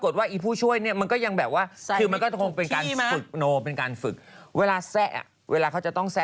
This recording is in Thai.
ส่วนอีกข้างนึงนะ